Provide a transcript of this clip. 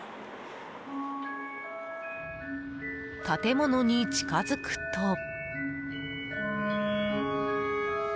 建物に近づくと。